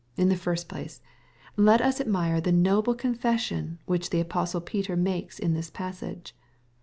In the first place, let us admire the noble confession which the apostle Peter makes in this passage.